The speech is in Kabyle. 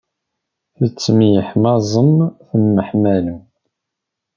Tettemyeḥmaẓem temḥemmalem.